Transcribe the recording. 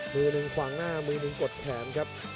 มือหนึ่งขวางหน้ามือหนึ่งกดแขนครับ